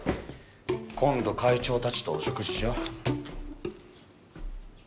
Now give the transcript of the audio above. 今度会長たちとお食事じゃ？